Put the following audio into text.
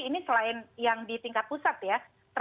ini selain yang di tingkat pusat ya